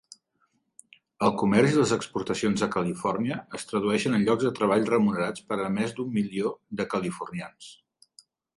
El comerç i les exportacions de Califòrnia es tradueixen en llocs de treball remunerats per a més d'un milió de californians.